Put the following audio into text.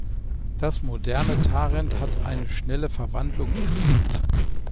Das moderne Tarent hat eine schnelle Verwandlung erlebt.